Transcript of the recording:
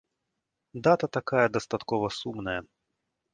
Дата такая дастаткова сумная.